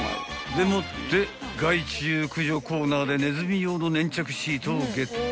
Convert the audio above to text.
［でもって害虫駆除コーナーでネズミ用の粘着シートをゲット］